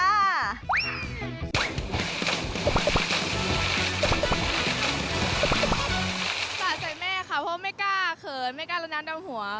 ใส่แม่ค่ะเพราะไม่กล้าเขินไม่กล้าละนัดดำหัว